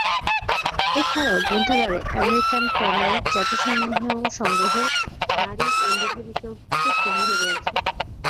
এছাড়াও গ্রন্থাগারে American corner, জাতিসংঘ সংগ্রহ, নারী ও লিঙ্গ বিষয়ক বিশেষ সংগ্রহ রয়েছে।